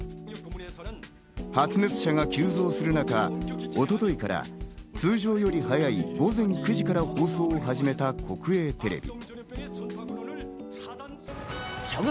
発熱者が急増する中、一昨日から通常より早い午前９時から放送を始めた国営テレビ。